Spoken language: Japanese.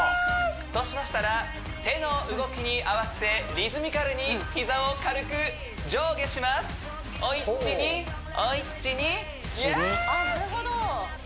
そうしましたら手の動きに合わせてリズミカルに膝を軽く上下しますおいっちにおいっちにイエース！